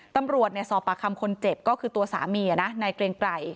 ตำรวจเนี่ยสอบประคำคนเจ็บก็คือตัวสามีนะในเกรงไกร